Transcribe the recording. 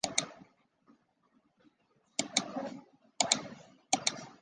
柔毛猪笼草是婆罗洲加里曼丹特有的热带食虫植物。